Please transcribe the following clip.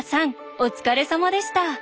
お疲れさまでした。